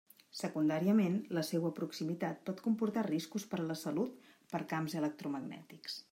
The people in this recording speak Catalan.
Secundàriament, la seua proximitat pot comportar riscos per a la salut per camps electromagnètics.